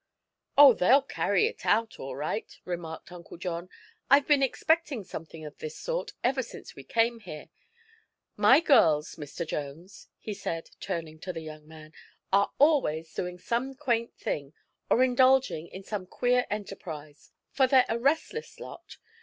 "Oh, they'll carry it out, all right," remarked Uncle John. "I've been expecting something of this sort, ever since we came here. My girls, Mr. Jones," he said, turning to the young man, "are always doing some quaint thing, or indulging in some queer enterprise, for they're a restless lot.